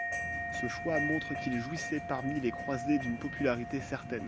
Ce choix montre qu'il jouissait parmi les croisés d'une popularité certaine.